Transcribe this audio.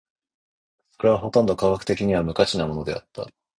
それはほとんど科学的には無価値なものであった。